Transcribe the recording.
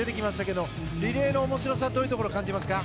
リレーの面白さはどういうところに感じますか？